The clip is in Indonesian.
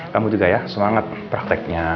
kamu juga ya semangat prakteknya